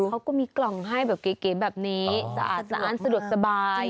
เขาก็มีกล่องให้แบบเก๋แบบนี้สะอาดสะดวกสบาย